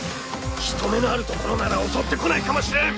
人目のある所なら襲ってこないかもしれん。